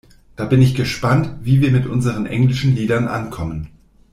Da bin ich gespannt, wie wir mit unseren englischen Liedern ankommen.